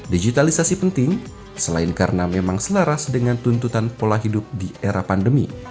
digitalisasi penting selain karena memang selaras dengan tuntutan pola hidup di era pandemi